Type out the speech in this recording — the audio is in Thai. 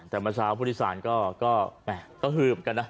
แต่เมื่อเสาการผู้ที่สานก็แหมงก็ฮืบกันนะ